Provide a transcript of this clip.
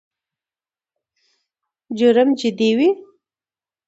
جرم جدي وي.